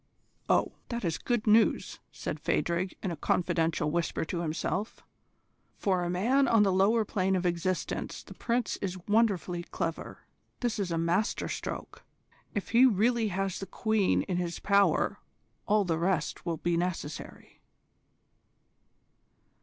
O." "That is good news," said Phadrig, in a confidential whisper to himself; "for a man on the lower plane of existence the Prince is wonderfully clever. This is a master stroke. If he really has the Queen in his power all the rest will be easy."